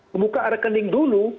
membuka rekening dulu